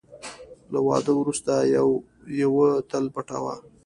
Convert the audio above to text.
له واده وروسته یوه تل پټوه .